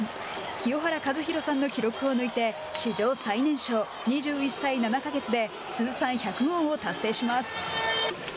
清原和博さんの記録を抜いて史上最年少、２１歳７か月で通算１００号を達成します。